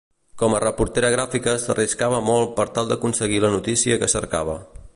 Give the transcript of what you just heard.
Com a reportera gràfica s'arriscava molt per tal d'aconseguir la notícia que cercava.